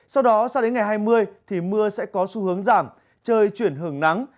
sau đó sau đến ngày hai mươi thì mưa sẽ có xu hướng giảm trời chuyển hưởng nắng